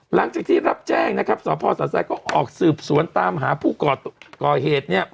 หลังจากที่รับแจ้งนะครับสพสะทรายก็ออกสืบสวนตามหาผู้ก่อเหตุเนี่ย